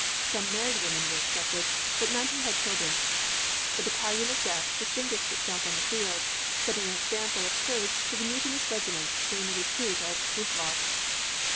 Some married women were accepted, but none who had children. The Battalion of Death distinguished itself on the field, setting an example of courage to the mutinous regiments during the retreat of Brusilov.